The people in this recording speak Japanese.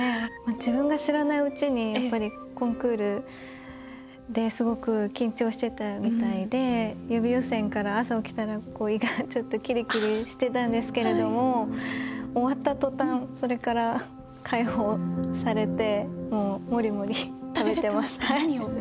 自分が知らないうちにやっぱりコンクールですごく緊張してたみたいで予備予選から朝起きたら胃がちょっとキリキリしてたんですけれども終わったとたんそれから解放されて何を？